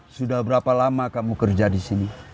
sudah berapa lama kamu kerja di sini